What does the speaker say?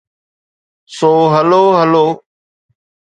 سو hello هلو.